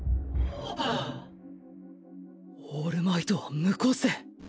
オールマイトは無個性